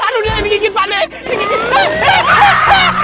aduh dia digigit pak nek